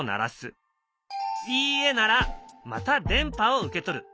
「いいえ」ならまた電波を受け取る。